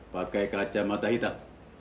pakai kacamata hitam